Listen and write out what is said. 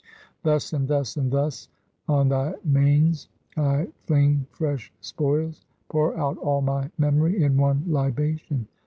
"Thus, and thus, and thus! on thy manes I fling fresh spoils; pour out all my memory in one libation!